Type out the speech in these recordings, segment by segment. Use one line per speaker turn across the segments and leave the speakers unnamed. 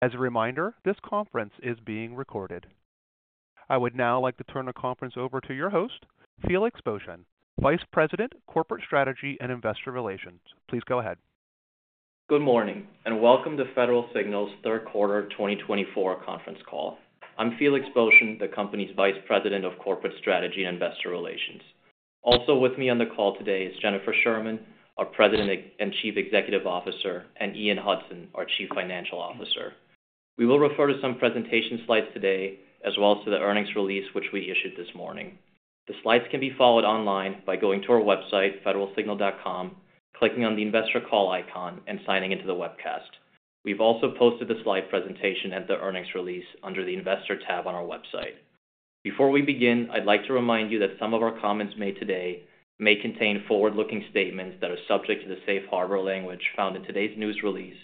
As a reminder, this conference is being recorded. I would now like to turn the conference over to your host, Felix Boeschen, Vice President, Corporate Strategy and Investor Relations. Please go ahead.
Good morning and welcome to Federal Signal's third quarter 2024 conference call. I'm Felix Boeschen, the company's Vice President of Corporate Strategy and Investor Relations. Also with me on the call today is Jennifer Sherman, our President and Chief Executive Officer, and Ian Hudson, our Chief Financial Officer. We will refer to some presentation slides today as well as to the earnings release which we issued this morning. The slides can be followed online by going to our website, federalsignal.com, clicking on the Investor Call icon, and signing into the webcast. We've also posted the slide presentation and the earnings release under the Investor tab on our website. Before we begin, I'd like to remind you that some of our comments made today may contain forward-looking statements that are subject to the safe harbor language found in today's news release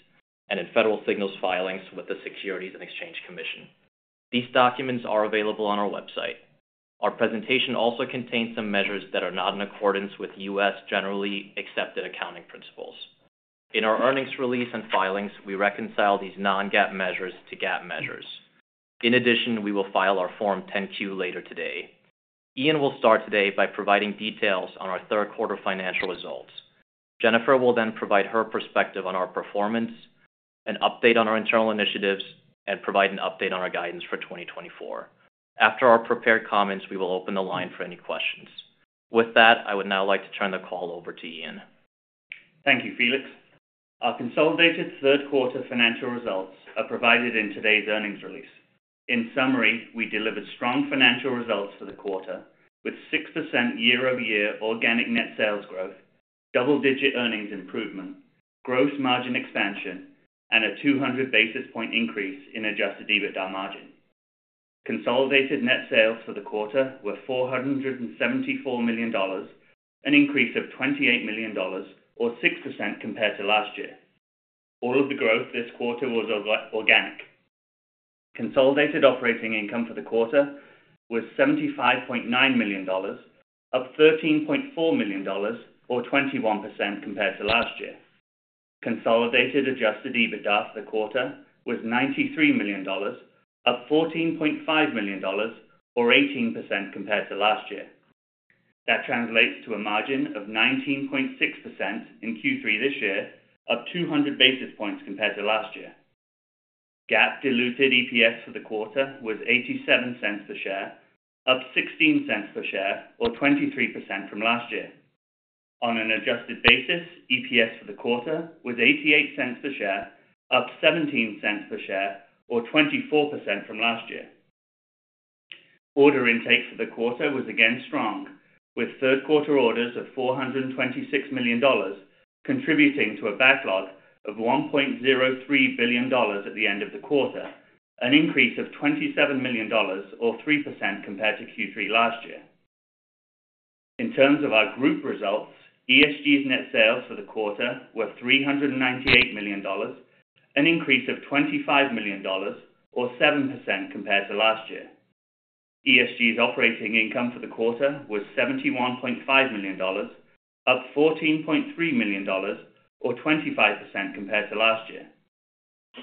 and in Federal Signal's filings with the Securities and Exchange Commission. These documents are available on our website. Our presentation also contains some measures that are not in accordance with U.S. generally accepted accounting principles. In our earnings release and filings, we reconcile these non-GAAP measures to GAAP measures. In addition, we will file our Form 10-Q later today. Ian will start today by providing details on our third quarter financial results. Jennifer will then provide her perspective on our performance, an update on our internal initiatives, and provide an update on our guidance for 2024. After our prepared comments, we will open the line for any questions. With that, I would now like to turn the call over to Ian.
Thank you, Felix. Our consolidated third quarter financial results are provided in today's earnings release. In summary, we delivered strong financial results for the quarter with 6% year-over-year organic net sales growth, double-digit earnings improvement, gross margin expansion, and a 200 basis point increase in adjusted EBITDA margin. Consolidated net sales for the quarter were $474 million, an increase of $28 million, or 6% compared to last year. All of the growth this quarter was organic. Consolidated operating income for the quarter was $75.9 million, up $13.4 million, or 21% compared to last year. Consolidated adjusted EBITDA for the quarter was $93 million, up $14.5 million, or 18% compared to last year. That translates to a margin of 19.6% in Q3 this year, up 200 basis points compared to last year. GAAP diluted EPS for the quarter was $0.87 per share, up $0.16 per share, or 23% from last year. On an adjusted basis, EPS for the quarter was $0.88 per share, up $0.17 per share, or 24% from last year. Order intake for the quarter was again strong, with third quarter orders of $426 million contributing to a backlog of $1.03 billion at the end of the quarter, an increase of $27 million, or 3% compared to Q3 last year. In terms of our group results, ESG's net sales for the quarter were $398 million, an increase of $25 million, or 7% compared to last year. ESG's operating income for the quarter was $71.5 million, up $14.3 million, or 25% compared to last year.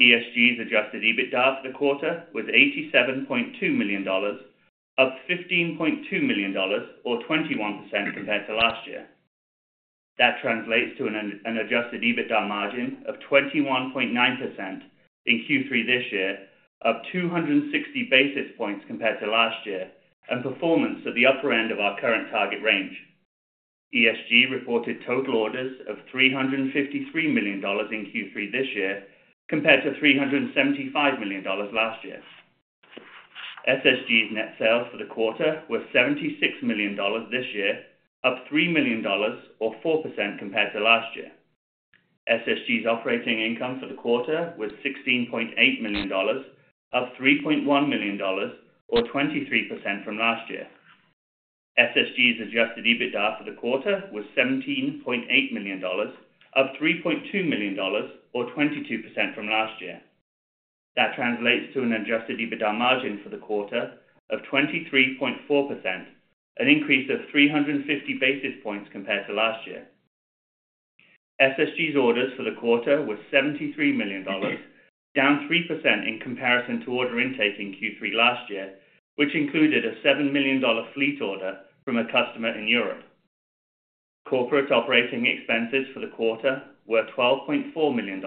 ESG's adjusted EBITDA for the quarter was $87.2 million, up $15.2 million, or 21% compared to last year. That translates to an adjusted EBITDA margin of 21.9% in Q3 this year, up 260 basis points compared to last year, and performance at the upper end of our current target range. ESG reported total orders of $353 million in Q3 this year compared to $375 million last year. SSG's net sales for the quarter were $76 million this year, up $3 million, or 4% compared to last year. SSG's operating income for the quarter was $16.8 million, up $3.1 million, or 23% from last year. SSG's adjusted EBITDA for the quarter was $17.8 million, up $3.2 million, or 22% from last year. That translates to an adjusted EBITDA margin for the quarter of 23.4%, an increase of 350 basis points compared to last year. SSG's orders for the quarter were $73 million, down 3% in comparison to order intake in Q3 last year, which included a $7 million fleet order from a customer in Europe. Corporate operating expenses for the quarter were $12.4 million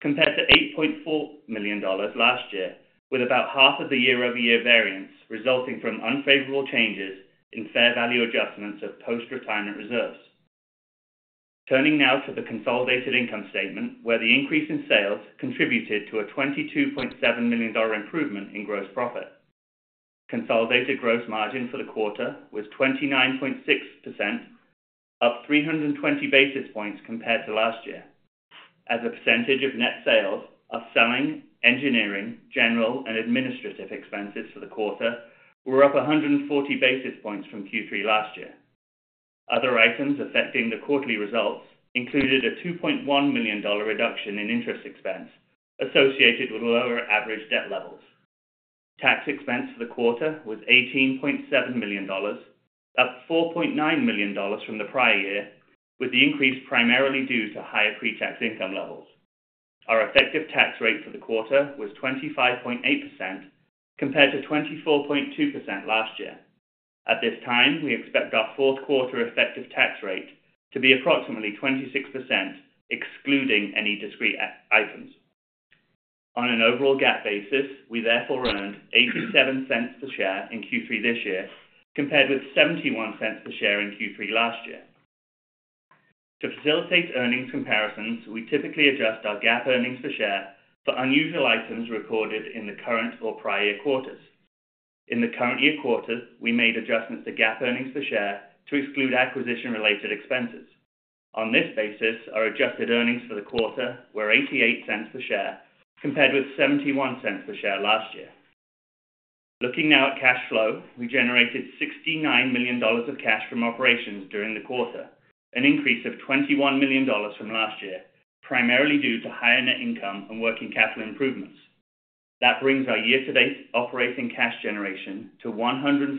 compared to $8.4 million last year, with about half of the year-over-year variance resulting from unfavorable changes in fair value adjustments of post-retirement reserves. Turning now to the consolidated income statement, where the increase in sales contributed to a $22.7 million improvement in gross profit. Consolidated gross margin for the quarter was 29.6%, up 320 basis points compared to last year. As a percentage of net sales, selling, engineering, general, and administrative expenses for the quarter were up 140 basis points from Q3 last year. Other items affecting the quarterly results included a $2.1 million reduction in interest expense associated with lower average debt levels. Tax expense for the quarter was $18.7 million, up $4.9 million from the prior year, with the increase primarily due to higher pre-tax income levels. Our effective tax rate for the quarter was 25.8% compared to 24.2% last year. At this time, we expect our fourth quarter effective tax rate to be approximately 26%, excluding any discrete items. On an overall GAAP basis, we therefore earned $0.87 per share in Q3 this year compared with $0.71 per share in Q3 last year. To facilitate earnings comparisons, we typically adjust our GAAP earnings per share for unusual items recorded in the current or prior year quarters. In the current year quarter, we made adjustments to GAAP earnings per share to exclude acquisition-related expenses. On this basis, our adjusted earnings for the quarter were $0.88 per share compared with $0.71 per share last year. Looking now at cash flow, we generated $69 million of cash from operations during the quarter, an increase of $21 million from last year, primarily due to higher net income and working capital improvements. That brings our year-to-date operating cash generation to $141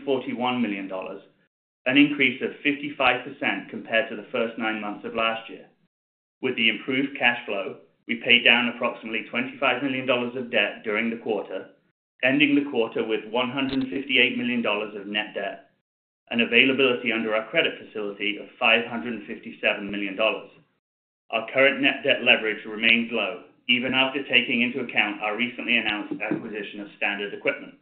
million, an increase of 55% compared to the first nine months of last year. With the improved cash flow, we paid down approximately $25 million of debt during the quarter, ending the quarter with $158 million of net debt and availability under our credit facility of $557 million. Our current net debt leverage remains low, even after taking into account our recently announced acquisition of Standard Equipment.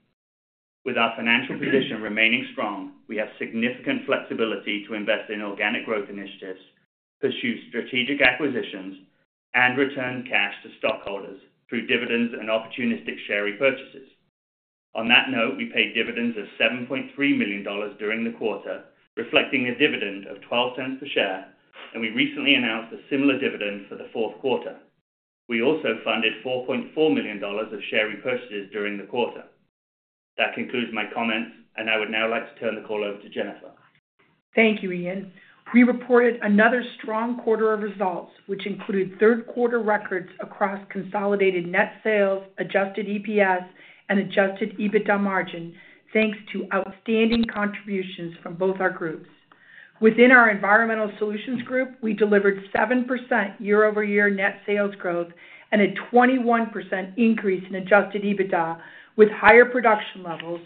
With our financial position remaining strong, we have significant flexibility to invest in organic growth initiatives, pursue strategic acquisitions, and return cash to stockholders through dividends and opportunistic share repurchases. On that note, we paid dividends of $7.3 million during the quarter, reflecting a dividend of $0.12 per share, and we recently announced a similar dividend for the fourth quarter. We also funded $4.4 million of share repurchases during the quarter. That concludes my comments, and I would now like to turn the call over to Jennifer.
Thank you, Ian. We reported another strong quarter of results, which included third quarter records across consolidated net sales, adjusted EPS, and adjusted EBITDA margin, thanks to outstanding contributions from both our groups. Within our Environmental Solutions Group, we delivered 7% year-over-year net sales growth and a 21% increase in adjusted EBITDA, with higher production levels,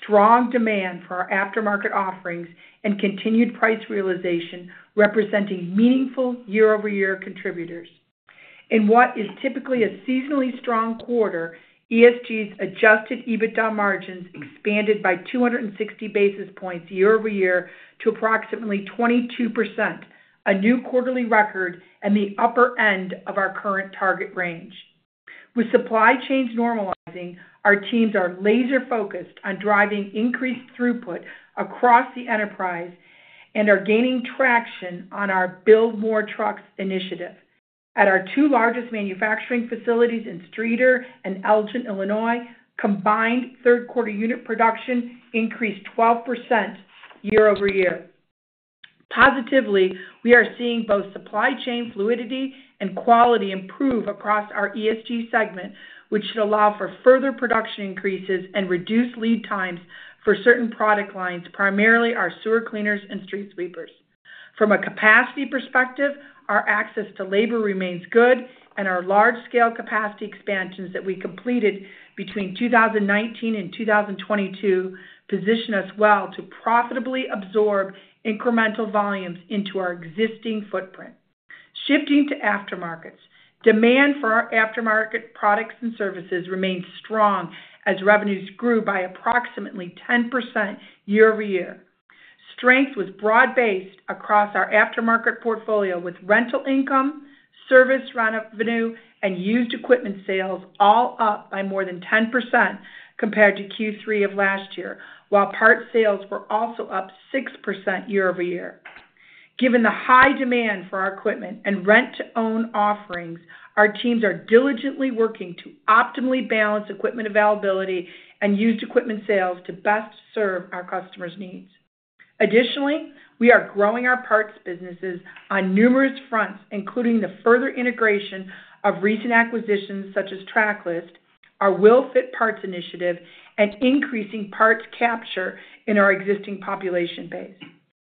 strong demand for our aftermarket offerings, and continued price realization representing meaningful year-over-year contributors. In what is typically a seasonally strong quarter, ESG's adjusted EBITDA margins expanded by 260 basis points year-over-year to approximately 22%, a new quarterly record and the upper end of our current target range. With supply chains normalizing, our teams are laser-focused on driving increased throughput across the enterprise and are gaining traction on our Build More Trucks initiative. At our two largest manufacturing facilities in Streator and Elgin, Illinois, combined third quarter unit production increased 12% year-over-year. Positively, we are seeing both supply chain fluidity and quality improve across our ESG segment, which should allow for further production increases and reduce lead times for certain product lines, primarily our sewer cleaners and street sweepers. From a capacity perspective, our access to labor remains good, and our large-scale capacity expansions that we completed between 2019 and 2022 position us well to profitably absorb incremental volumes into our existing footprint. Shifting to aftermarkets, demand for our aftermarket products and services remained strong as revenues grew by approximately 10% year-over-year. Strength was broad-based across our aftermarket portfolio, with rental income, service revenue, and used equipment sales all up by more than 10% compared to Q3 of last year, while parts sales were also up 6% year-over-year. Given the high demand for our equipment and rent-to-own offerings, our teams are diligently working to optimally balance equipment availability and used equipment sales to best serve our customers' needs. Additionally, we are growing our parts businesses on numerous fronts, including the further integration of recent acquisitions such as Trackless, our Will-Fit parts initiative, and increasing parts capture in our existing population base.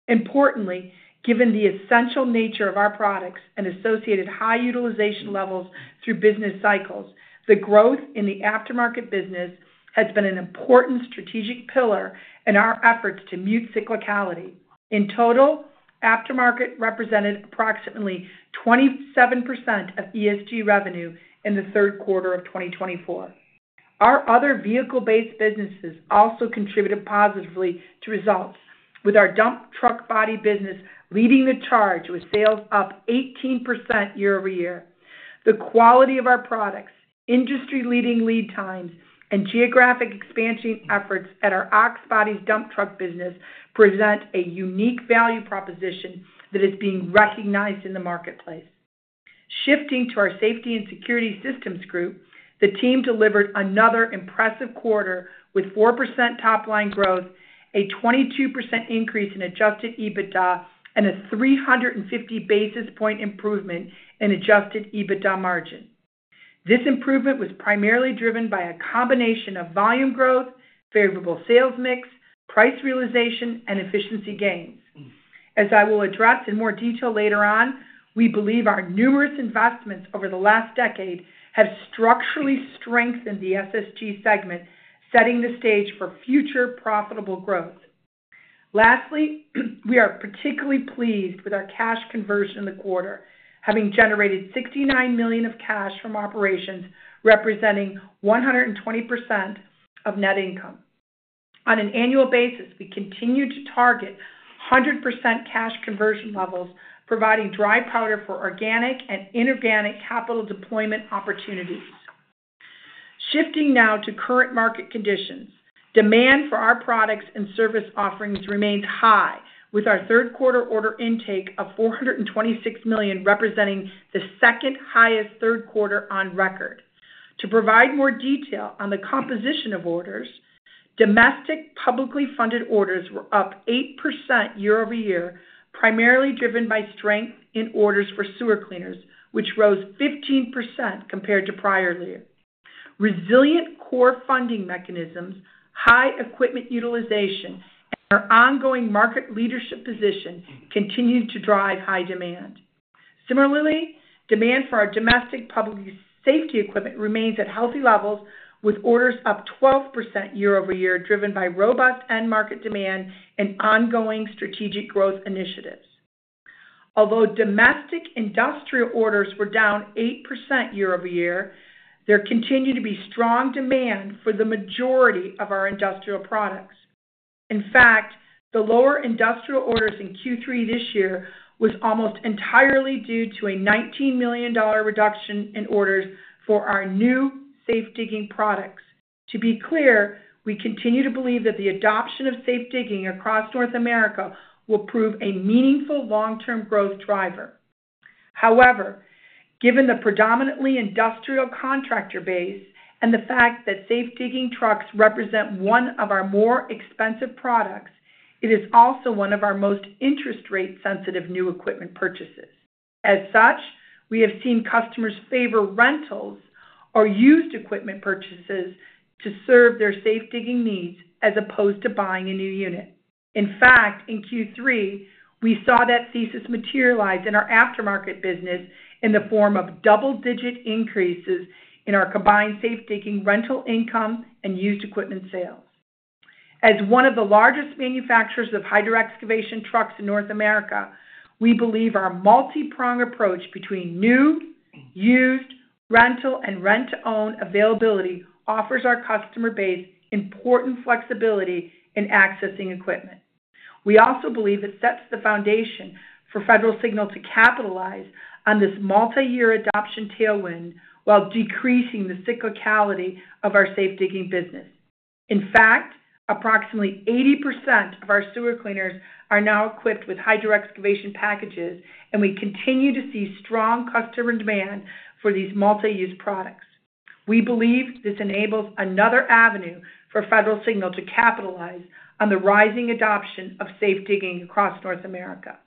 Importantly, given the essential nature of our products and associated high utilization levels through business cycles, the growth in the aftermarket business has been an important strategic pillar in our efforts to mute cyclicality. In total, aftermarket represented approximately 27% of ESG revenue in the third quarter of 2024. Our other vehicle-based businesses also contributed positively to results, with our dump truck body business leading the charge with sales up 18% year-over-year. The quality of our products, industry-leading lead times, and geographic expansion efforts at our Ox Bodies dump truck business present a unique value proposition that is being recognized in the marketplace. Shifting to our Safety and Security Systems Group, the team delivered another impressive quarter with 4% top-line growth, a 22% increase in adjusted EBITDA, and a 350 basis point improvement in adjusted EBITDA margin. This improvement was primarily driven by a combination of volume growth, favorable sales mix, price realization, and efficiency gains. As I will address in more detail later on, we believe our numerous investments over the last decade have structurally strengthened the SSG segment, setting the stage for future profitable growth. Lastly, we are particularly pleased with our cash conversion in the quarter, having generated $69 million of cash from operations, representing 120% of net income. On an annual basis, we continue to target 100% cash conversion levels, providing dry powder for organic and inorganic capital deployment opportunities. Shifting now to current market conditions, demand for our products and service offerings remains high, with our third quarter order intake of $426 million representing the second highest third quarter on record. To provide more detail on the composition of orders, domestic publicly funded orders were up 8% year-over-year, primarily driven by strength in orders for sewer cleaners, which rose 15% compared to prior year. Resilient core funding mechanisms, high equipment utilization, and our ongoing market leadership position continue to drive high demand. Similarly, demand for our domestic public safety equipment remains at healthy levels, with orders up 12% year-over-year, driven by robust end-market demand and ongoing strategic growth initiatives. Although domestic industrial orders were down 8% year-over-year, there continued to be strong demand for the majority of our industrial products. In fact, the lower industrial orders in Q3 this year were almost entirely due to a $19 million reduction in orders for our new safe-digging products. To be clear, we continue to believe that the adoption of safe-digging across North America will prove a meaningful long-term growth driver. However, given the predominantly industrial contractor base and the fact that safe-digging trucks represent one of our more expensive products, it is also one of our most interest-rate-sensitive new equipment purchases. As such, we have seen customers favor rentals or used equipment purchases to serve their safe-digging needs as opposed to buying a new unit. In fact, in Q3, we saw that thesis materialize in our aftermarket business in the form of double-digit increases in our combined safe-digging rental income and used equipment sales. As one of the largest manufacturers of hydroexcavation trucks in North America, we believe our multi-prong approach between new, used, rental, and rent-to-own availability offers our customer base important flexibility in accessing equipment. We also believe it sets the foundation for Federal Signal to capitalize on this multi-year adoption tailwind while decreasing the cyclicality of our safe-digging business. In fact, approximately 80% of our sewer cleaners are now equipped with hydroexcavation packages, and we continue to see strong customer demand for these multi-use products. We believe this enables another avenue for Federal Signal to capitalize on the rising adoption of safe-digging across North America.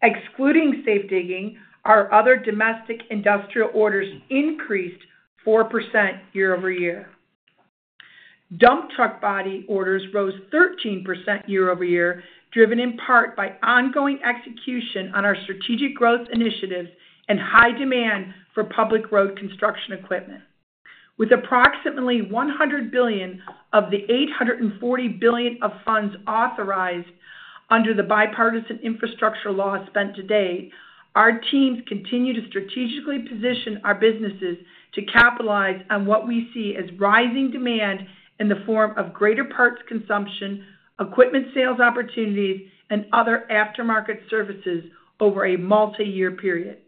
Excluding safe-digging, our other domestic industrial orders increased 4% year-over-year. Dump truck body orders rose 13% year-over-year, driven in part by ongoing execution on our strategic growth initiatives and high demand for public road construction equipment. With approximately $100 billion of the $840 billion of funds authorized under the Bipartisan Infrastructure Law spent to date, our teams continue to strategically position our businesses to capitalize on what we see as rising demand in the form of greater parts consumption, equipment sales opportunities, and other aftermarket services over a multi-year period.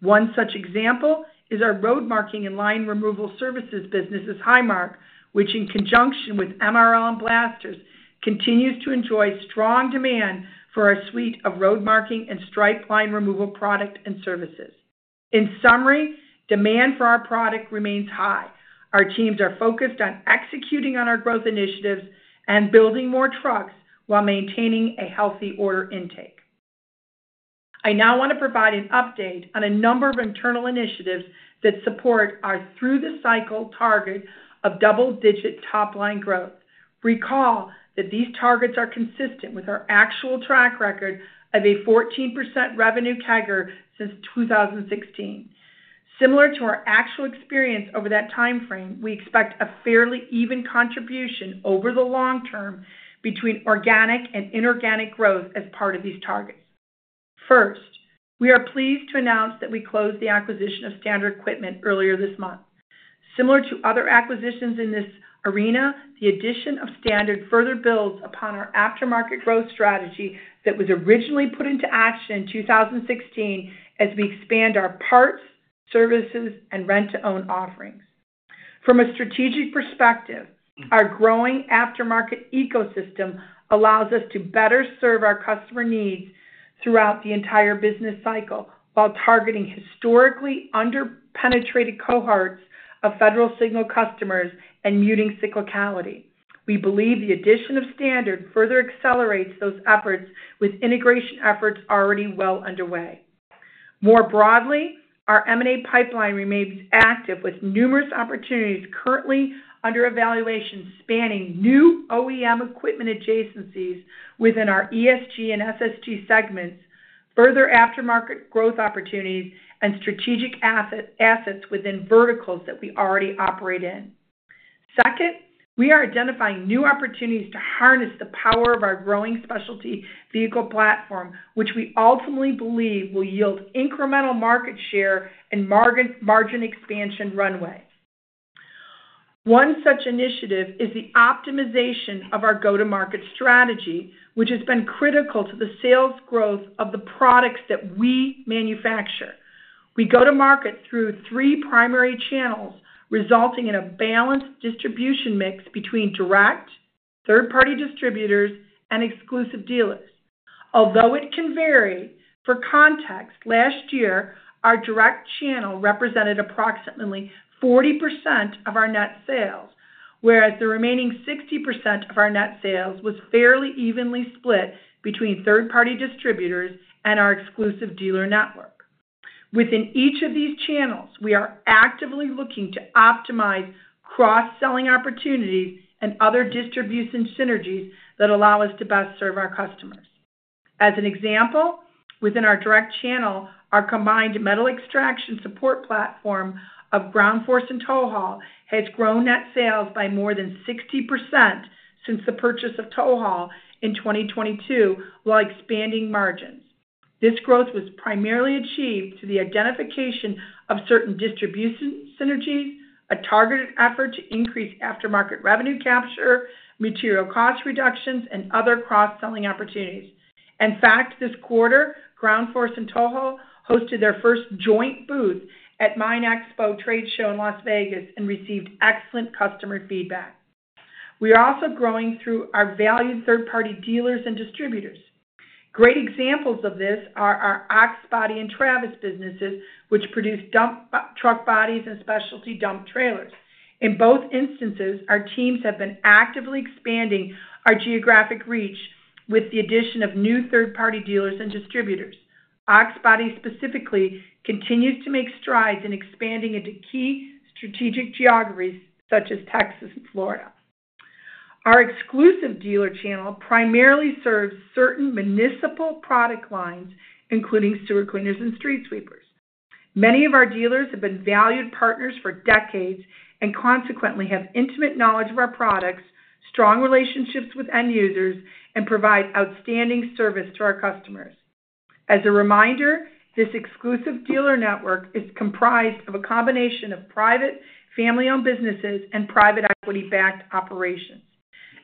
One such example is our road marking and line removal services business, High Mark, which in conjunction with MRL and Blasters continues to enjoy strong demand for our suite of road marking and stripe line removal products and services. In summary, demand for our product remains high. Our teams are focused on executing on our growth initiatives and building more trucks while maintaining a healthy order intake. I now want to provide an update on a number of internal initiatives that support our through-the-cycle target of double-digit top-line growth. Recall that these targets are consistent with our actual track record of a 14% revenue CAGR since 2016. Similar to our actual experience over that timeframe, we expect a fairly even contribution over the long term between organic and inorganic growth as part of these targets. First, we are pleased to announce that we closed the acquisition of Standard Equipment earlier this month. Similar to other acquisitions in this arena, the addition of Standard further builds upon our aftermarket growth strategy that was originally put into action in 2016 as we expand our parts, services, and rent-to-own offerings. From a strategic perspective, our growing aftermarket ecosystem allows us to better serve our customer needs throughout the entire business cycle while targeting historically under-penetrated cohorts of Federal Signal customers and muting cyclicality. We believe the addition of Standard further accelerates those efforts, with integration efforts already well underway. More broadly, our M&A pipeline remains active with numerous opportunities currently under evaluation spanning new OEM equipment adjacencies within our ESG and SSG segments, further aftermarket growth opportunities, and strategic assets within verticals that we already operate in. Second, we are identifying new opportunities to harness the power of our growing specialty vehicle platform, which we ultimately believe will yield incremental market share and margin expansion runway. One such initiative is the optimization of our go-to-market strategy, which has been critical to the sales growth of the products that we manufacture. We go-to-market through three primary channels, resulting in a balanced distribution mix between direct, third-party distributors, and exclusive dealers. Although it can vary, for context, last year, our direct channel represented approximately 40% of our net sales, whereas the remaining 60% of our net sales was fairly evenly split between third-party distributors and our exclusive dealer network. Within each of these channels, we are actively looking to optimize cross-selling opportunities and other distribution synergies that allow us to best serve our customers. As an example, within our direct channel, our combined metal extraction support platform of Ground Force and TowHaul has grown net sales by more than 60% since the purchase of TowHaul in 2022 while expanding margins. This growth was primarily achieved through the identification of certain distribution synergies, a targeted effort to increase aftermarket revenue capture, material cost reductions, and other cross-selling opportunities. In fact, this quarter, Ground Force and TowHaul hosted their first joint booth at MINExpo trade show in Las Vegas and received excellent customer feedback. We are also growing through our valued third-party dealers and distributors. Great examples of this are our Ox Bodies and Travis businesses, which produce dump truck bodies and specialty dump trailers. In both instances, our teams have been actively expanding our geographic reach with the addition of new third-party dealers and distributors. Ox Bodies specifically continues to make strides in expanding into key strategic geographies such as Texas and Florida. Our exclusive dealer channel primarily serves certain municipal product lines, including sewer cleaners and street sweepers. Many of our dealers have been valued partners for decades and consequently have intimate knowledge of our products, strong relationships with end users, and provide outstanding service to our customers. As a reminder, this exclusive dealer network is comprised of a combination of private, family-owned businesses and private equity-backed operations.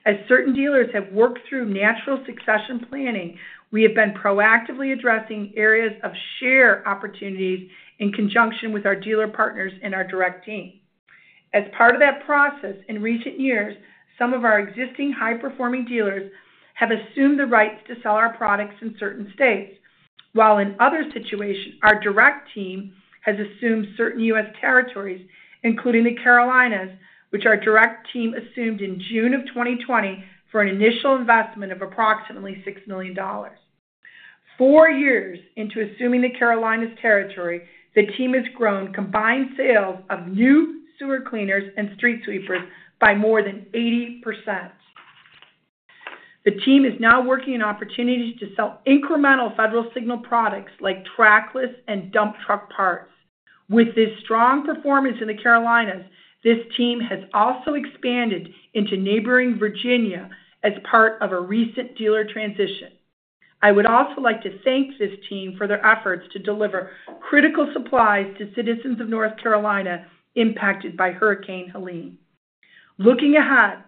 As certain dealers have worked through natural succession planning, we have been proactively addressing areas of share opportunities in conjunction with our dealer partners and our direct team. As part of that process, in recent years, some of our existing high-performing dealers have assumed the rights to sell our products in certain states, while in other situations, our direct team has assumed certain U.S. territories, including The Carolinas, which our direct team assumed in June of 2020 for an initial investment of approximately $6 million. Four years into assuming The Carolinas territory, the team has grown combined sales of new sewer cleaners and street sweepers by more than 80%. The team is now working on opportunities to sell incremental Federal Signal products like Trackless and dump truck parts. With this strong performance in the Carolinas, this team has also expanded into neighboring Virginia as part of a recent dealer transition. I would also like to thank this team for their efforts to deliver critical supplies to citizens of North Carolina impacted by Hurricane Helene. Looking ahead,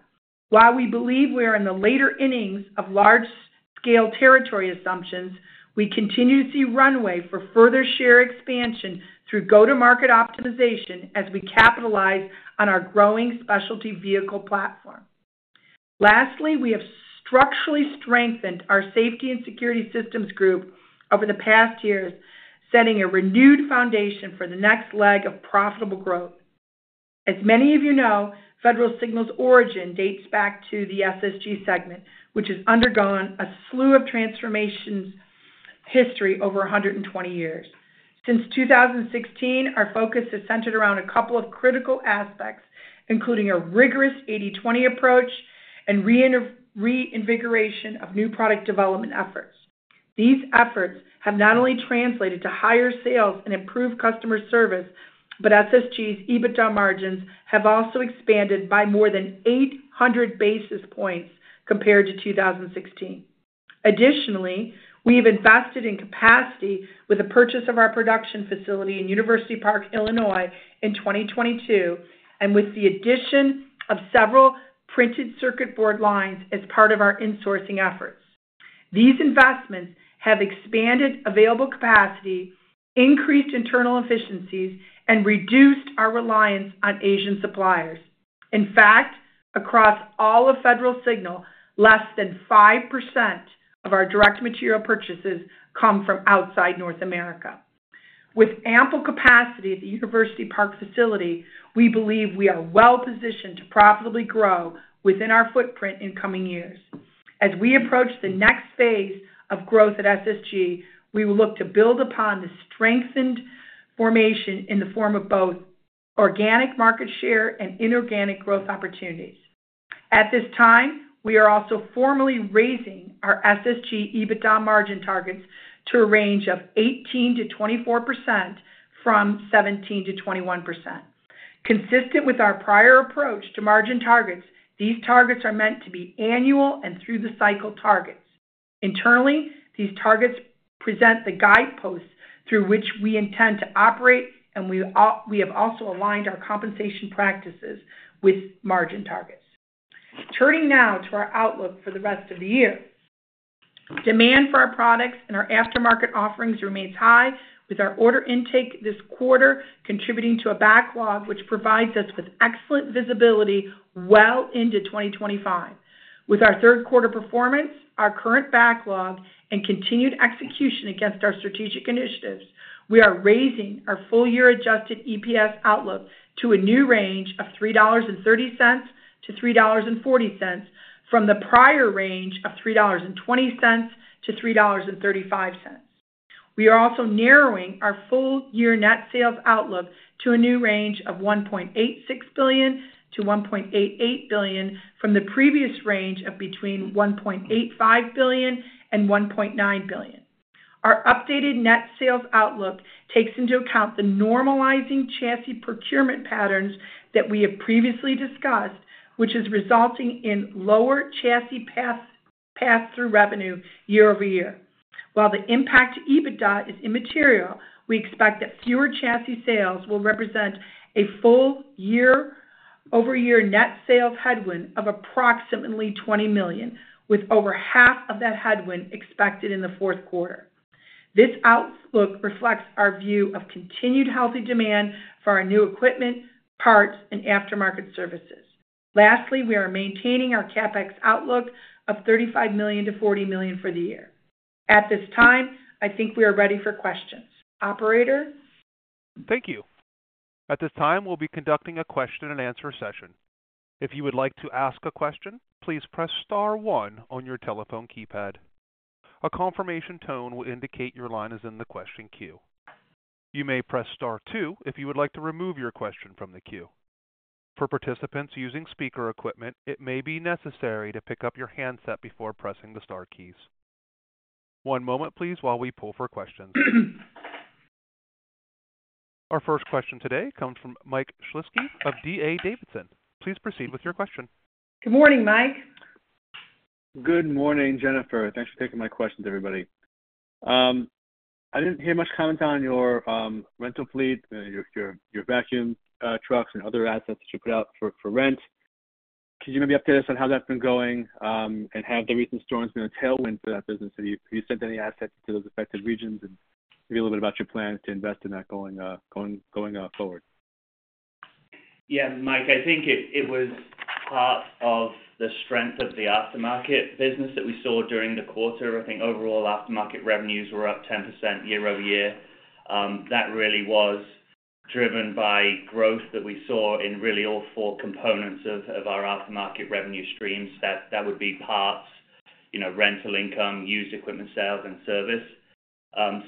while we believe we are in the later innings of large-scale territory assumptions, we continue to see runway for further share expansion through go-to-market optimization as we capitalize on our growing specialty vehicle platform. Lastly, we have structurally strengthened our Safety and Security Systems Group over the past years, setting a renewed foundation for the next leg of profitable growth. As many of you know, Federal Signal's origin dates back to the SSG segment, which has undergone a slew of transformations history over 120 years. Since 2016, our focus has centered around a couple of critical aspects, including a rigorous 80/20 approach and reinvigoration of new product development efforts. These efforts have not only translated to higher sales and improved customer service, but SSG's EBITDA margins have also expanded by more than 800 basis points compared to 2016. Additionally, we have invested in capacity with the purchase of our production facility in University Park, Illinois, in 2022, and with the addition of several printed circuit board lines as part of our insourcing efforts. These investments have expanded available capacity, increased internal efficiencies, and reduced our reliance on Asian suppliers. In fact, across all of Federal Signal, less than 5% of our direct material purchases come from outside North America. With ample capacity at the University Park facility, we believe we are well-positioned to profitably grow within our footprint in coming years. As we approach the next phase of growth at SSG, we will look to build upon the strengthened formation in the form of both organic market share and inorganic growth opportunities. At this time, we are also formally raising our SSG EBITDA margin targets to a range of 18%-24% from 17%-21%. Consistent with our prior approach to margin targets, these targets are meant to be annual and through-the-cycle targets. Internally, these targets present the guideposts through which we intend to operate, and we have also aligned our compensation practices with margin targets. Turning now to our outlook for the rest of the year, demand for our products and our aftermarket offerings remains high, with our order intake this quarter contributing to a backlog which provides us with excellent visibility well into 2025. With our third quarter performance, our current backlog, and continued execution against our strategic initiatives, we are raising our full-year adjusted EPS outlook to a new range of $3.30-$3.40 from the prior range of $3.20-$3.35. We are also narrowing our full-year net sales outlook to a new range of $1.86 billion-$1.88 billion from the previous range of between $1.85 billion and $1.9 billion. Our updated net sales outlook takes into account the normalizing chassis procurement patterns that we have previously discussed, which is resulting in lower chassis pass-through revenue year-over-year. While the impact to EBITDA is immaterial, we expect that fewer chassis sales will represent a full-year year-over-year net sales headwind of approximately $20 million, with over half of that headwind expected in the fourth quarter. This outlook reflects our view of continued healthy demand for our new equipment, parts, and aftermarket services. Lastly, we are maintaining our CapEx outlook of $35 million-$40 million for the year. At this time, I think we are ready for questions. Operator?
Thank you. At this time, we'll be conducting a question-and-answer session. If you would like to ask a question, please press star one on your telephone keypad. A confirmation tone will indicate your line is in the question queue. You may press star two if you would like to remove your question from the queue. For participants using speaker equipment, it may be necessary to pick up your handset before pressing the star keys. One moment, please, while we pull for questions. Our first question today comes from Mike Schlisky of D.A. Davidson. Please proceed with your question.
Good morning, Mike.
Good morning, Jennifer. Thanks for taking my questions, everybody. I didn't hear much comment on your rental fleet, your vacuum trucks, and other assets that you put out for rent. Could you maybe update us on how that's been going and have the recent storms been a tailwind for that business? Have you sent any assets to those affected regions and maybe a little bit about your plans to invest in that going forward?
Yeah, Mike, I think it was part of the strength of the aftermarket business that we saw during the quarter. I think overall aftermarket revenues were up 10% year-over-year. That really was driven by growth that we saw in really all four components of our aftermarket revenue streams. That would be parts, rental income, used equipment sales, and service.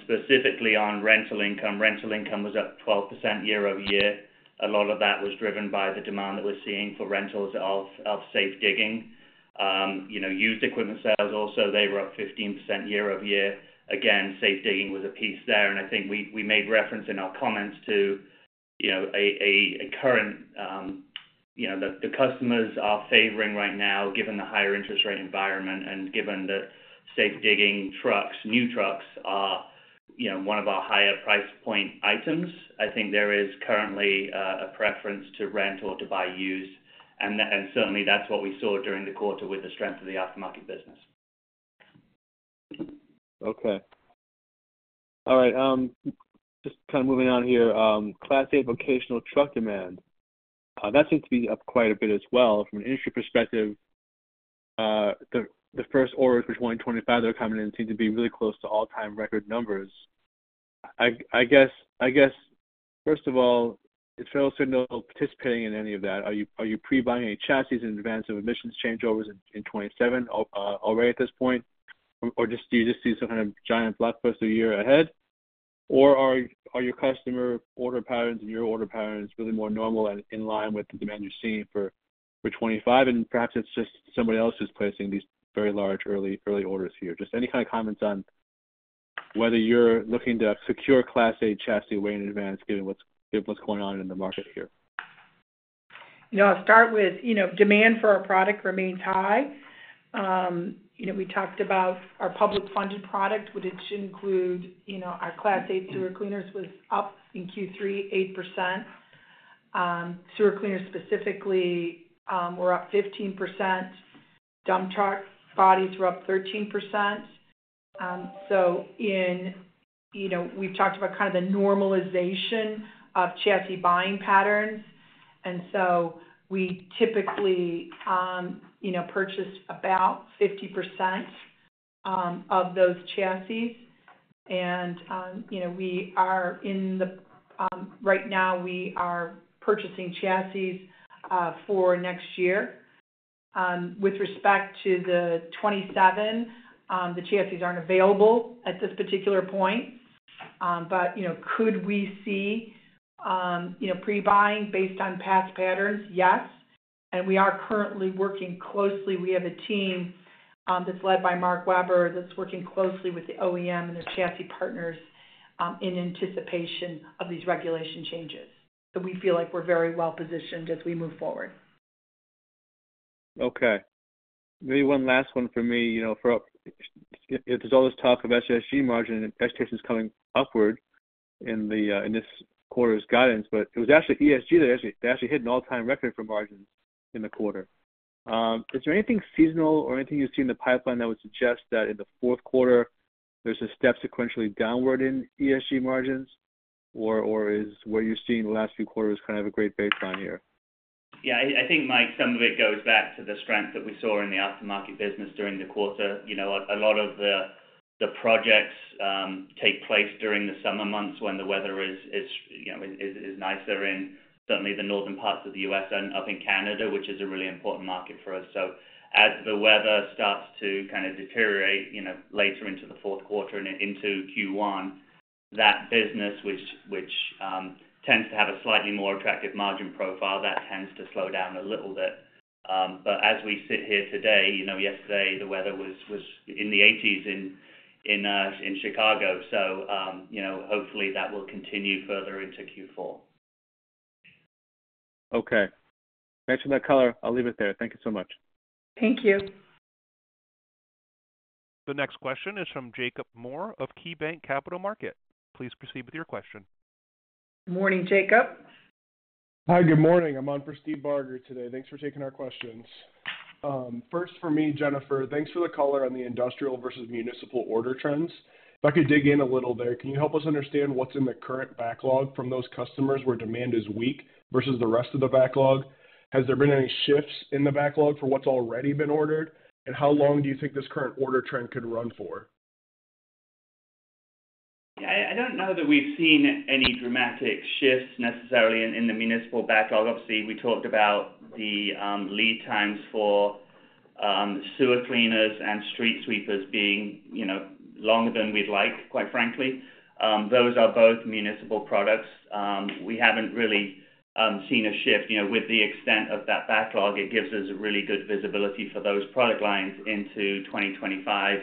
Specifically on rental income, rental income was up 12% year-over-year. A lot of that was driven by the demand that we're seeing for rentals of safe-digging. Used equipment sales also, they were up 15% year-over-year. Again, safe-digging was a piece there, and I think we made reference in our comments to a current the customers are favoring right now, given the higher interest rate environment and given that safe-digging trucks, new trucks, are one of our higher price point items. I think there is currently a preference to rent or to buy used, and certainly, that's what we saw during the quarter with the strength of the aftermarket business.
Okay. All right. Just kind of moving on here. Class 8 vocational truck demand, that seems to be up quite a bit as well. From an industry perspective, the first orders for 2025 that are coming in seem to be really close to all-time record numbers. I guess, first of all, is Federal Signal participating in any of that? Are you pre-buying any chassis in advance of emissions changeovers in 2027 already at this point? Or do you just see some kind of giant blacklog a year ahead? Or are your customer order patterns and your order patterns really more normal and in line with the demand you're seeing for 2025? And perhaps it's just somebody else who's placing these very large early orders here. Just any kind of comments on whether you're looking to secure Class 8 chassis way in advance, given what's going on in the market here?
I'll start with demand for our product remains high. We talked about our public-funded product, which should include our Class 8 sewer cleaners, was up in Q3 8%. Sewer cleaners specifically were up 15%. Dump truck bodies were up 13%. So we've talked about kind of the normalization of chassis buying patterns. And so we typically purchase about 50% of those chassis. And right now, we are purchasing chassis for next year. With respect to the 2027, the chassis aren't available at this particular point. But could we see pre-buying based on past patterns? Yes. And we are currently working closely. We have a team that's led by Mark Weber that's working closely with the OEM and their chassis partners in anticipation of these regulation changes. So we feel like we're very well-positioned as we move forward.
Okay. Maybe one last one for me. There's all this talk of SSG margin and expectations coming upward in this quarter's guidance, but it was actually ESG that actually hit an all-time record for margins in the quarter. Is there anything seasonal or anything you see in the pipeline that would suggest that in the fourth quarter, there's a step sequentially downward in ESG margins? Or is what you're seeing the last few quarters kind of a great baseline here?
Yeah. I think, Mike, some of it goes back to the strength that we saw in the aftermarket business during the quarter. A lot of the projects take place during the summer months when the weather is nicer in certainly the northern parts of the U.S. and up in Canada, which is a really important market for us. So as the weather starts to kind of deteriorate later into the fourth quarter and into Q1, that business, which tends to have a slightly more attractive margin profile, that tends to slow down a little bit. But as we sit here today, yesterday, the weather was in the 80s in Chicago. So hopefully, that will continue further into Q4.
Okay. Thanks for that color. I'll leave it there. Thank you so much.
Thank you.
The next question is from Jacob Moore of KeyBanc Capital Markets. Please proceed with your question.
Good morning, Jacob. Hi, good morning. I'm on for Steve Barger today. Thanks for taking our questions. First for me, Jennifer, thanks for the color on the industrial versus municipal order trends. If I could dig in a little there, can you help us understand what's in the current backlog from those customers where demand is weak versus the rest of the backlog? Has there been any shifts in the backlog for what's already been ordered? And how long do you think this current order trend could run for?
I don't know that we've seen any dramatic shifts necessarily in the municipal backlog. Obviously, we talked about the lead times for sewer cleaners and street sweepers being longer than we'd like, quite frankly. Those are both municipal products. We haven't really seen a shift. With the extent of that backlog, it gives us a really good visibility for those product lines into 2025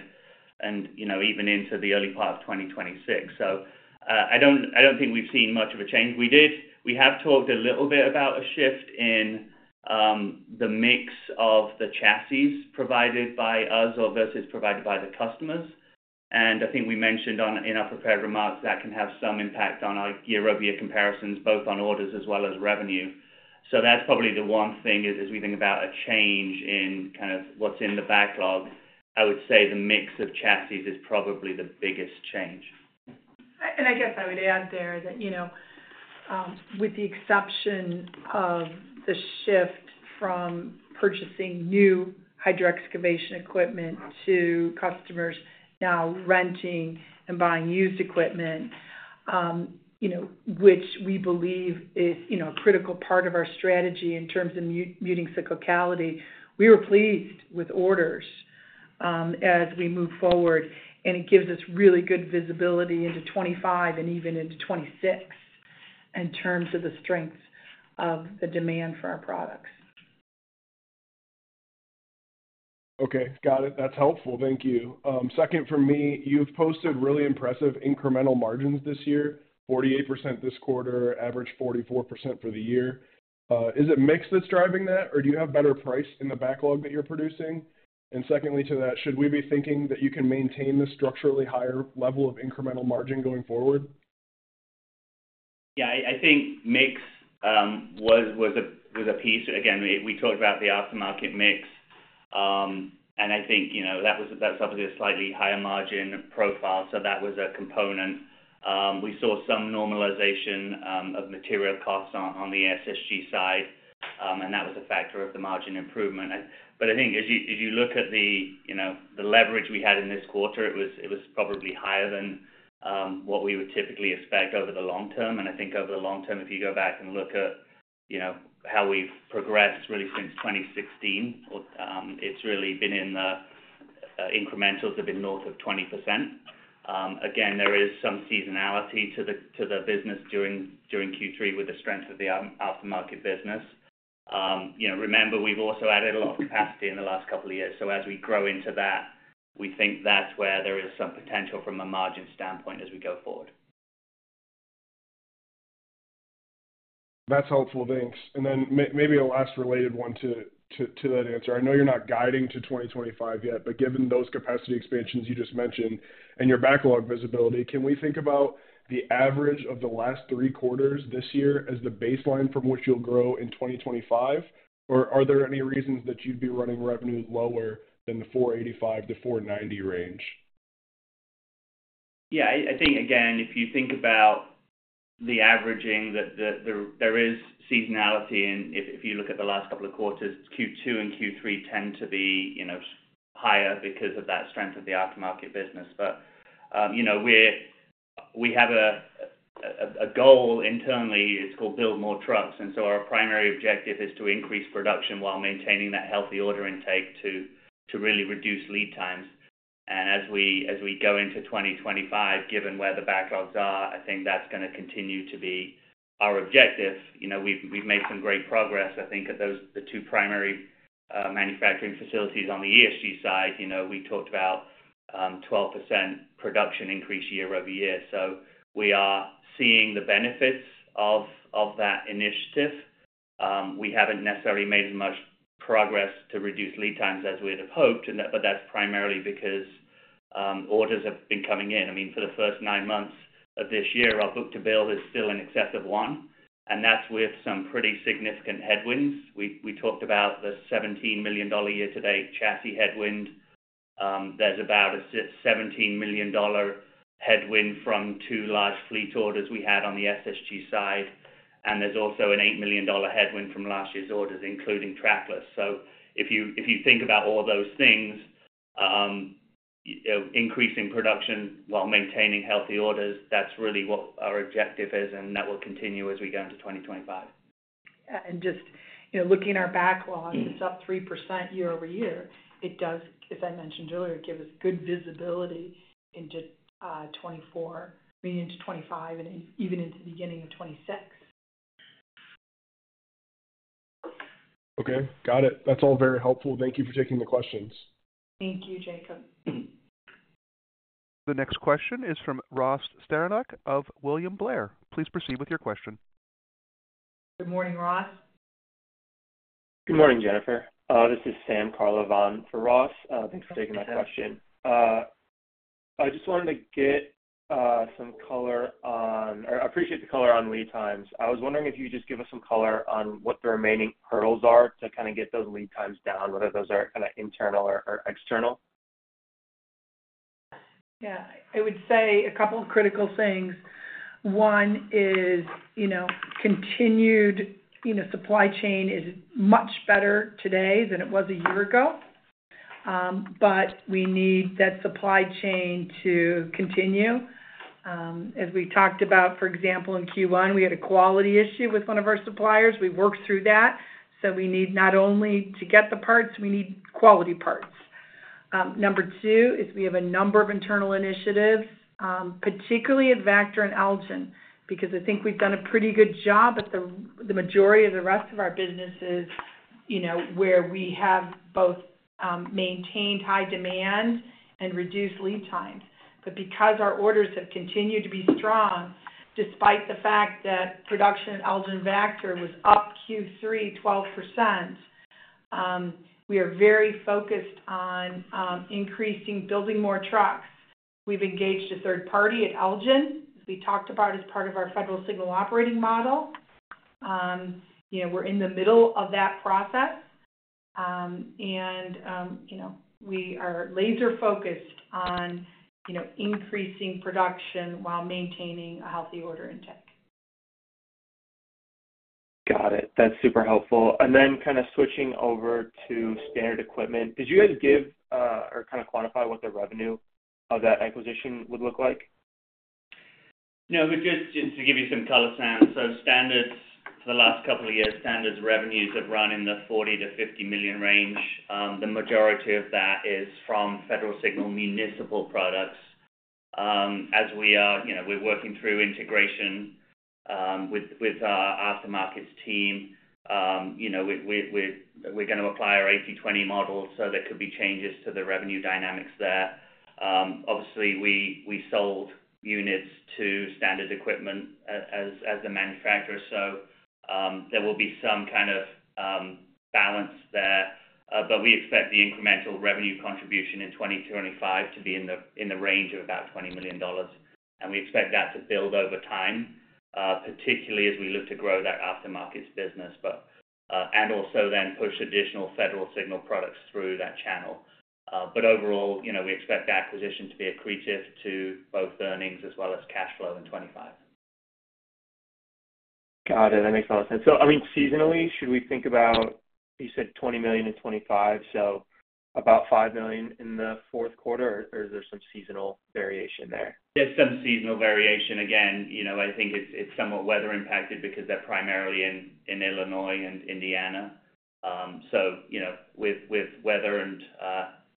and even into the early part of 2026. So I don't think we've seen much of a change. We have talked a little bit about a shift in the mix of the chassis provided by us versus provided by the customers. And I think we mentioned in our prepared remarks that can have some impact on our year-over-year comparisons, both on orders as well as revenue. So that's probably the one thing as we think about a change in kind of what's in the backlog. I would say the mix of chassis is probably the biggest change.
I would add there that with the exception of the shift from purchasing new hydroexcavation equipment to customers now renting and buying used equipment, which we believe is a critical part of our strategy in terms of muting cyclicality, we were pleased with orders as we move forward, and it gives us really good visibility into 2025 and even into 2026 in terms of the strength of the demand for our products.
Okay. Got it. That's helpful. Thank you. Second for me, you've posted really impressive incremental margins this year, 48% this quarter, average 44% for the year. Is it mix that's driving that, or do you have better price in the backlog that you're producing? And secondly to that, should we be thinking that you can maintain the structurally higher level of incremental margin going forward?
Yeah. I think mix was a piece. Again, we talked about the aftermarket mix. I think that was obviously a slightly higher margin profile. So that was a component. We saw some normalization of material costs on the SSG side, and that was a factor of the margin improvement. But I think as you look at the leverage we had in this quarter, it was probably higher than what we would typically expect over the long term. I think over the long term, if you go back and look at how we've progressed really since 2016, it's really been in the incrementals that have been north of 20%. Again, there is some seasonality to the business during Q3 with the strength of the aftermarket business. Remember, we've also added a lot of capacity in the last couple of years. So as we grow into that, we think that's where there is some potential from a margin standpoint as we go forward.
That's helpful. Thanks. And then maybe a last related one to that answer. I know you're not guiding to 2025 yet, but given those capacity expansions you just mentioned and your backlog visibility, can we think about the average of the last three quarters this year as the baseline from which you'll grow in 2025? Or are there any reasons that you'd be running revenue lower than the 485-490 range?
Yeah. I think, again, if you think about the averaging, there is seasonality. And if you look at the last couple of quarters, Q2 and Q3 tend to be higher because of that strength of the aftermarket business. But we have a goal internally. It's called Build More Trucks. And so our primary objective is to increase production while maintaining that healthy order intake to really reduce lead times. And as we go into 2025, given where the backlogs are, I think that's going to continue to be our objective. We've made some great progress, I think, at the two primary manufacturing facilities on the ESG side. We talked about a 12% production increase year-over-year. So we are seeing the benefits of that initiative. We haven't necessarily made as much progress to reduce lead times as we'd have hoped, but that's primarily because orders have been coming in. I mean, for the first nine months of this year, our book-to-build is still in excess of one. And that's with some pretty significant headwinds. We talked about the $17 million year-to-date chassis headwind. There's about a $17 million headwind from two large fleet orders we had on the SSG side, and there's also an $8 million headwind from last year's orders, including Trackless, so if you think about all those things, increasing production while maintaining healthy orders, that's really what our objective is, and that will continue as we go into 2025.
and just looking at our backlog, it's up 3% year-over-year. It does, as I mentioned earlier, give us good visibility into 2024, maybe into 2025, and even into the beginning of 2026.
Okay. Got it. That's all very helpful. Thank you for taking the questions.
Thank you, Jacob.
The next question is from Ross Sparenblek of William Blair. Please proceed with your question. Good morning, Ross.
Good morning, Jennifer. This is Sim Kurlan for Ross. Thanks for taking my question. I appreciate the color on lead times. I was wondering if you could just give us some color on what the remaining hurdles are to kind of get those lead times down, whether those are kind of internal or external.
Yeah. I would say a couple of critical things. One is continued supply chain is much better today than it was a year ago. But we need that supply chain to continue. As we talked about, for example, in Q1, we had a quality issue with one of our suppliers. We worked through that. So we need not only to get the parts, we need quality parts. Number two is we have a number of internal initiatives, particularly at Vactor and Elgin, because I think we've done a pretty good job at the majority of the rest of our businesses where we have both maintained high demand and reduced lead times. But because our orders have continued to be strong, despite the fact that production at Elgin Vactor was up Q3 12%, we are very focused on increasing building more trucks. We've engaged a third party at Elgin, as we talked about, as part of our Federal Signal Operating Model. We're in the middle of that process. And we are laser-focused on increasing production while maintaining a healthy order intake.
Got it. That's super helpful. And then kind of switching over to Standard Equipment, could you guys give or kind of quantify what the revenue of that acquisition would look like?
No, just to give you some color, and. So for the last couple of years, Standard revenues have run in the $40 million-$50 million range. The majority of that is from Federal Signal municipal products. As we are working through integration with our aftermarkets team, we're going to apply our 80/20 model, so there could be changes to the revenue dynamics there. Obviously, we sold units to Standard Equipment as the manufacturer. So there will be some kind of balance there. But we expect the incremental revenue contribution in 2025 to be in the range of about $20 million. And we expect that to build over time, particularly as we look to grow that aftermarkets business and also then push additional Federal Signal products through that channel. But overall, we expect the acquisition to be accretive to both earnings as well as cash flow in 2025.
Got it. That makes a lot of sense. So I mean, seasonally, should we think about, you said $20 million in 2025, so about $5 million in the fourth quarter, or is there some seasonal variation there?
There's some seasonal variation. Again, I think it's somewhat weather-impacted because they're primarily in Illinois and Indiana. So with weather and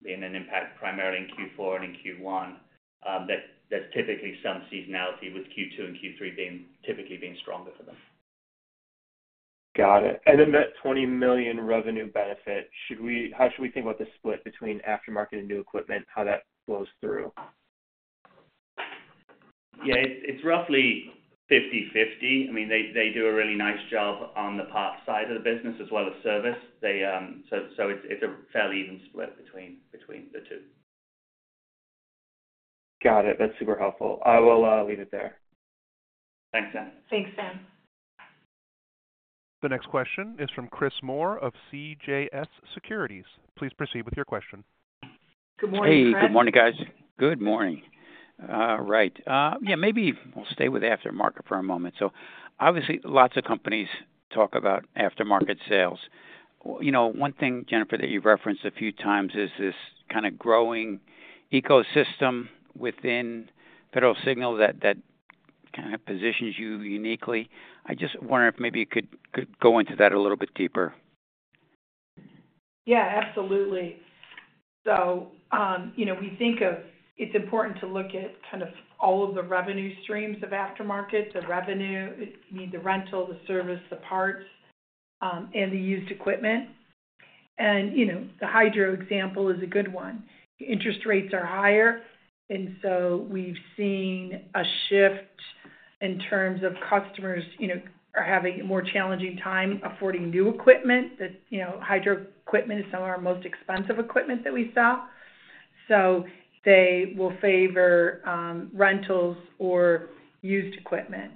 being an impact primarily in Q4 and in Q1, there's typically some seasonality with Q2 and Q3 typically being stronger for them.
Got it. And then that $20 million revenue benefit, how should we think about the split between aftermarket and new equipment, how that flows through?
Yeah. It's roughly 50/50. I mean, they do a really nice job on the parts side of the business as well as service. So it's a fairly even split between the two.
Got it. That's super helpful. I will leave it there.
Thanks, Sim.
Thanks, Sim.
The next question is from Chris Moore of CJS Securities. Please proceed with your question.
Good morning, Chris.
Hey. Good morning, guys. Good morning. All right. Yeah. Maybe we'll stay with aftermarket for a moment. So obviously, lots of companies talk about aftermarket sales. One thing, Jennifer, that you've referenced a few times is this kind of growing ecosystem within Federal Signal that kind of positions you uniquely. I just wonder if maybe you could go into that a little bit deeper.
Yeah. Absolutely. So we think it's important to look at kind of all of the revenue streams of aftermarket, the revenue, the rental, the service, the parts, and the used equipment. And the hydro example is a good one. Interest rates are higher. And so we've seen a shift in terms of customers are having a more challenging time affording new equipment. Hydro equipment is some of our most expensive equipment that we sell, so they will favor rentals or used equipment.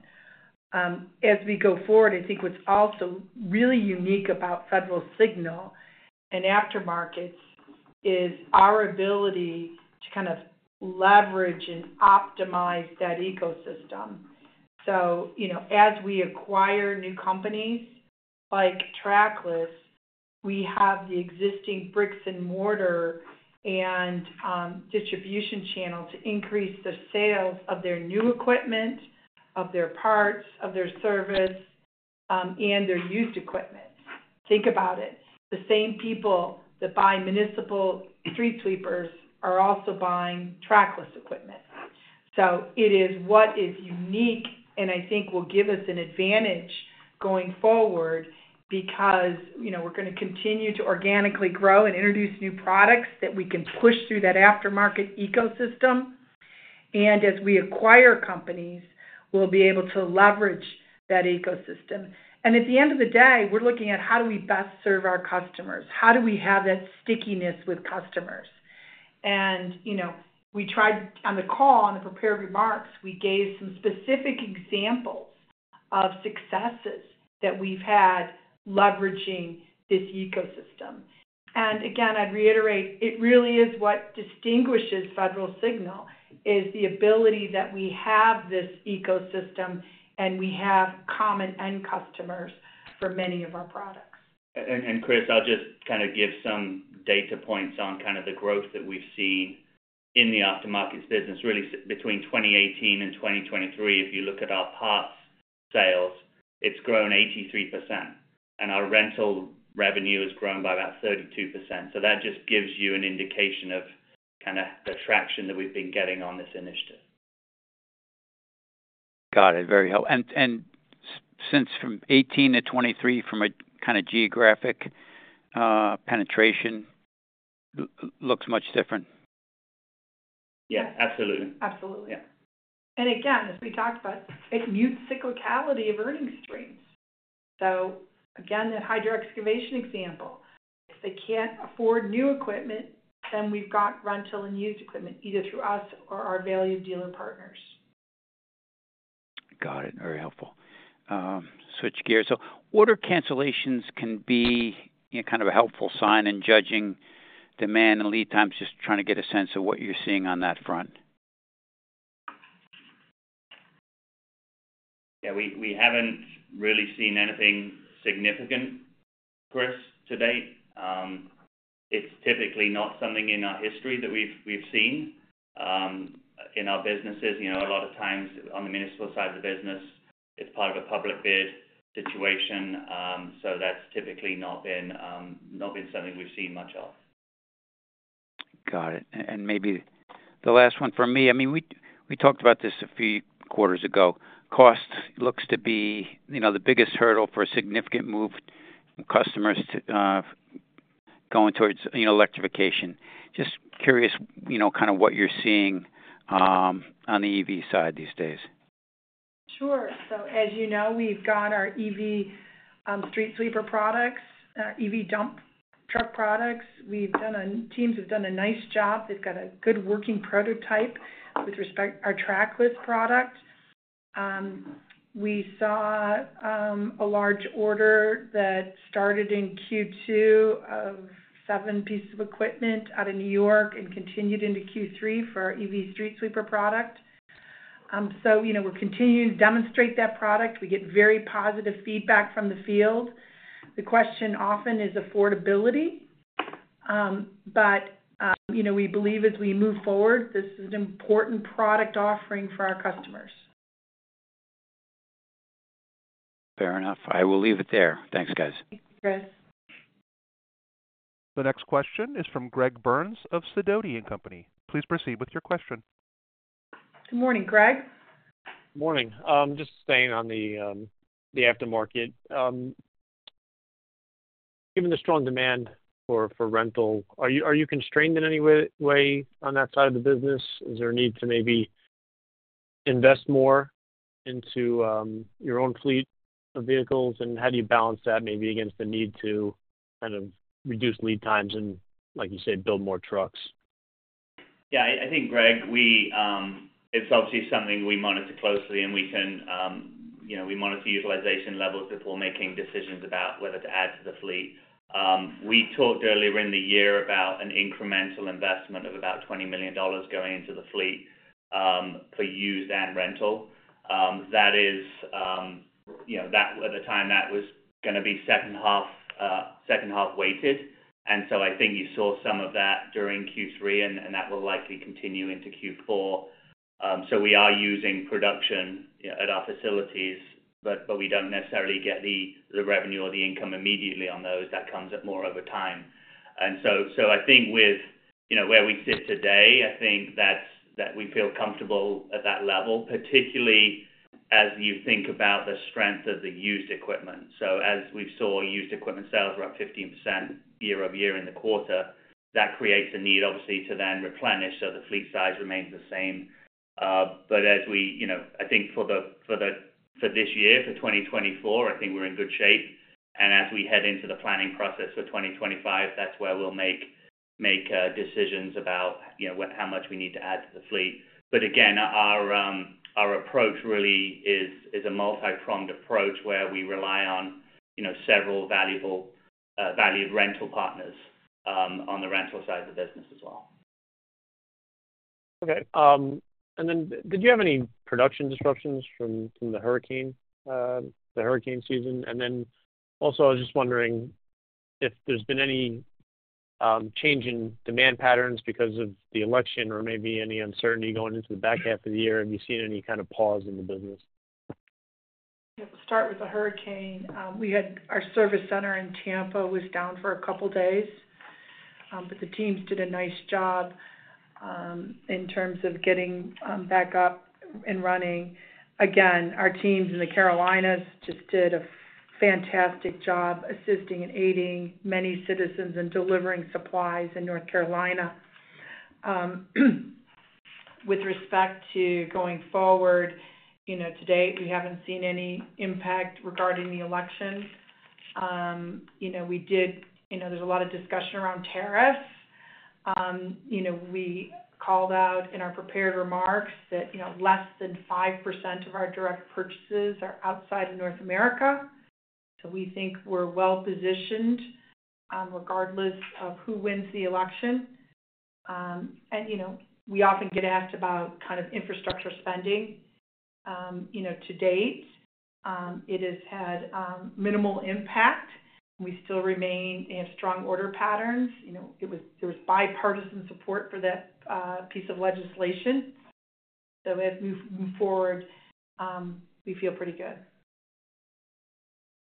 As we go forward, I think what's also really unique about Federal Signal and aftermarkets is our ability to kind of leverage and optimize that ecosystem, so as we acquire new companies like Trackless, we have the existing bricks and mortar and distribution channel to increase the sales of their new equipment, of their parts, of their service, and their used equipment. Think about it. The same people that buy municipal street sweepers are also buying Trackless equipment, so it is what is unique and I think will give us an advantage going forward because we're going to continue to organically grow and introduce new products that we can push through that aftermarket ecosystem, and as we acquire companies, we'll be able to leverage that ecosystem. At the end of the day, we're looking at how do we best serve our customers? How do we have that stickiness with customers? We tried on the call, on the prepared remarks, we gave some specific examples of successes that we've had leveraging this ecosystem. Again, I'd reiterate, it really is what distinguishes Federal Signal is the ability that we have this ecosystem and we have common end customers for many of our products.
Chris, I'll just kind of give some data points on kind of the growth that we've seen in the aftermarkets business. Really, between 2018 and 2023, if you look at our parts sales, it's grown 83%. Our rental revenue has grown by about 32%. That just gives you an indication of kind of the traction that we've been getting on this initiative.
Got it. Very helpful. And since from 2018 to 2023, from a kind of geographic penetration, looks much different.
Yeah. Absolutely.
Absolutely. And again, as we talked about, it mutes cyclicality of earnings streams. So again, that hydro excavation example, if they can't afford new equipment, then we've got rental and used equipment either through us or our valued dealer partners.
Got it. Very helpful. Switch gears. So order cancellations can be kind of a helpful sign in judging demand and lead times, just trying to get a sense of what you're seeing on that front.
Yeah. We haven't really seen anything significant, Chris, to date. It's typically not something in our history that we've seen in our businesses. A lot of times on the municipal side of the business, it's part of a public bid situation. So that's typically not been something we've seen much of.
Got it. And maybe the last one for me. I mean, we talked about this a few quarters ago. Cost looks to be the biggest hurdle for a significant move from customers going towards electrification. Just curious kind of what you're seeing on the EV side these days.
Sure. So as you know, we've got our EV street sweeper products, EV dump truck products. Teams have done a nice job. They've got a good working prototype with respect to our Trackless product. We saw a large order that started in Q2 of seven pieces of equipment out of New York and continued into Q3 for our EV street sweeper product. So we're continuing to demonstrate that product. We get very positive feedback from the field. The question often is affordability. But we believe as we move forward, this is an important product offering for our customers.
Fair enough. I will leave it there. Thanks, guys.
Thank you, Chris.
The next question is from Greg Burns of Sidoti & Company. Please proceed with your question.
Good morning, Greg.
Morning. Just staying on the aftermarket. Given the strong demand for rental, are you constrained in any way on that side of the business? Is there a need to maybe invest more into your own fleet of vehicles? And how do you balance that maybe against the need to kind of reduce lead times and, like you said, build more trucks?
Yeah. I think, Greg, it's obviously something we monitor closely. And we can monitor utilization levels before making decisions about whether to add to the fleet. We talked earlier in the year about an incremental investment of about $20 million going into the fleet for used and rental. That is, at the time, that was going to be second-half weighted. And so I think you saw some of that during Q3, and that will likely continue into Q4. So we are using production at our facilities, but we don't necessarily get the revenue or the income immediately on those. That comes more over time. And so I think with where we sit today, I think that we feel comfortable at that level, particularly as you think about the strength of the used equipment. So as we saw used equipment sales were up 15% year-over-year in the quarter, that creates a need, obviously, to then replenish so the fleet size remains the same. But as we, I think, for this year, for 2024, I think we're in good shape. As we head into the planning process for 2025, that's where we'll make decisions about how much we need to add to the fleet. But again, our approach really is a multi-pronged approach where we rely on several valued rental partners on the rental side of the business as well.
Okay. Then did you have any production disruptions from the hurricane season? And then also, I was just wondering if there's been any change in demand patterns because of the election or maybe any uncertainty going into the back half of the year. Have you seen any kind of pause in the business?
We'll start with the hurricane. Our service center in Tampa was down for a couple of days. But the teams did a nice job in terms of getting back up and running. Again, our teams in The Carolinas just did a fantastic job assisting and aiding many citizens and delivering supplies in North Carolina. With respect to going forward, to date, we haven't seen any impact regarding the election. We did. There's a lot of discussion around tariffs. We called out in our prepared remarks that less than 5% of our direct purchases are outside of North America. So we think we're well-positioned regardless of who wins the election. And we often get asked about kind of infrastructure spending. To date, it has had minimal impact. We still remain in strong order patterns. There was bipartisan support for that piece of legislation. So as we move forward, we feel pretty good.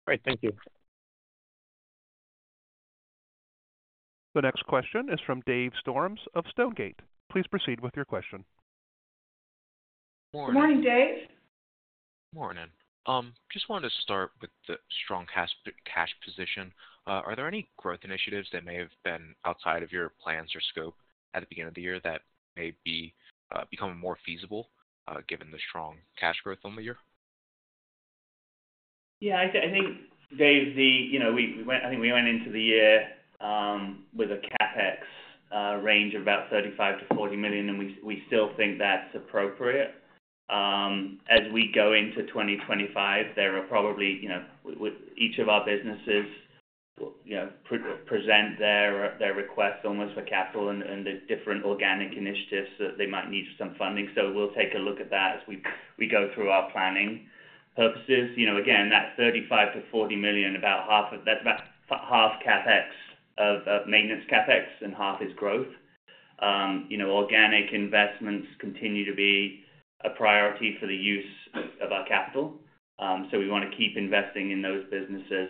Great. Thank you.
The next question is from Dave Storms of Stonegate. Please proceed with your question.
Good morning.
Good morning, Dave.
Good morning. Just wanted to start with the strong cash position. Are there any growth initiatives that may have been outside of your plans or scope at the beginning of the year that may become more feasible given the strong cash growth on the year?
I think, Dave, we went into the year with a CapEx range of about $35 million-$40 million, and we still think that's appropriate. As we go into 2025, we'll probably have each of our businesses present their requests annually for capital and the different organic initiatives that they might need some funding. So we'll take a look at that as we go through our planning process. Again, that $35 million-$40 million, that's about half maintenance CapEx and half is growth. Organic investments continue to be a priority for the use of our capital. So we want to keep investing in those businesses.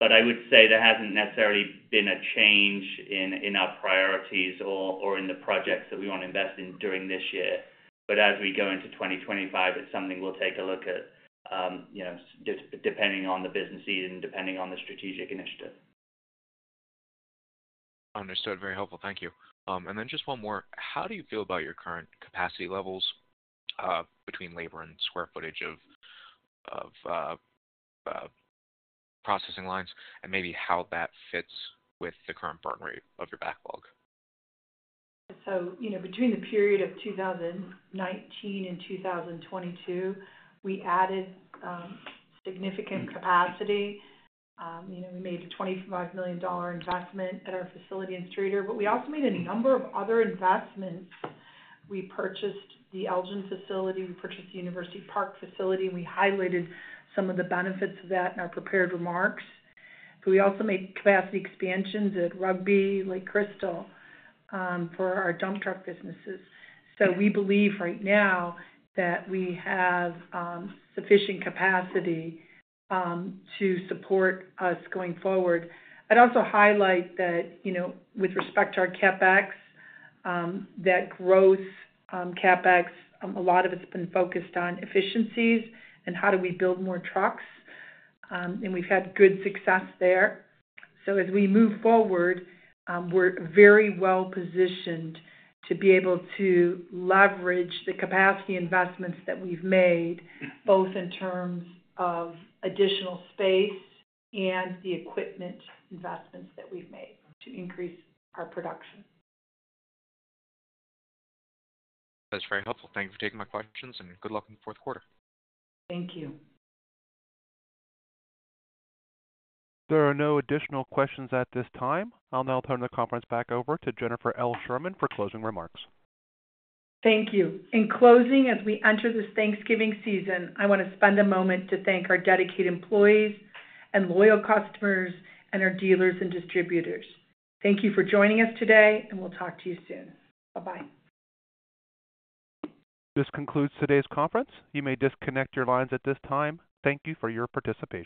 But I would say there hasn't necessarily been a change in our priorities or in the projects that we want to invest in during this year. But as we go into 2025, it's something we'll take a look at depending on the business need and depending on the strategic initiative.
Understood. Very helpful. Thank you. And then just one more. How do you feel about your current capacity levels between labor and square footage of processing lines and maybe how that fits with the current burn rate of your backlog?
So between the period of 2019 and 2022, we added significant capacity. We made a $25 million investment at our facility in Streator. But we also made a number of other investments. We purchased the Elgin facility. We purchased the University Park facility. And we highlighted some of the benefits of that in our prepared remarks. But we also made capacity expansions at Rugby, Lake Crystal for our dump truck businesses. So we believe right now that we have sufficient capacity to support us going forward. I'd also highlight that with respect to our CapEx, that growth CapEx, a lot of it's been focused on efficiencies and how do we build more trucks. And we've had good success there. So as we move forward, we're very well-positioned to be able to leverage the capacity investments that we've made, both in terms of additional space and the equipment investments that we've made to increase our production.
That's very helpful. Thank you for taking my questions. And good luck in the fourth quarter.
Thank you.
There are no additional questions at this time. I'll now turn the conference back over to Jennifer L. Sherman for closing remarks.
Thank you. In closing, as we enter this Thanksgiving season, I want to spend a moment to thank our dedicated employees and loyal customers and our dealers and distributors. Thank you for joining us today, and we'll talk to you soon. Bye-bye.
This concludes today's conference. You may disconnect your lines at this time. Thank you for your participation.